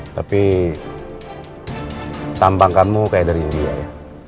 tapi tampang kamu kayak dari india ya